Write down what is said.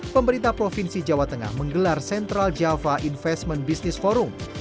pemerintah provinsi jawa tengah menggelar central java investment business forum